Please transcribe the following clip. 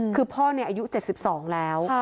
คือพ่ออายุ๗๒แล้ว